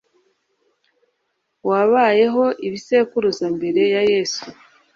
wabayeho ibisekuruza mbere ya yezu